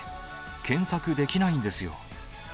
検索できないないんですよ。